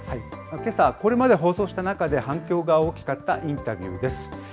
けさはこれまで放送した中で、反響が大きかったインタビューです。